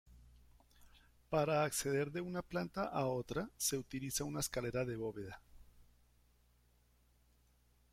Para acceder de una planta a otra se utiliza una escalera de bóveda.